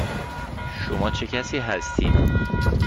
شما چه کسی هستید؟